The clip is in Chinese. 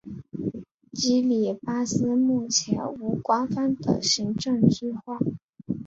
基里巴斯目前无官方的行政区划。